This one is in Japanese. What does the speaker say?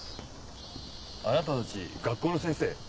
あなたたち学校の先生？